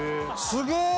すげえ！